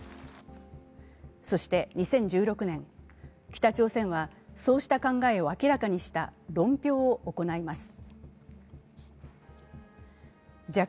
そして２０１６年、北朝鮮はそうした考えを明らかにした論評を行います。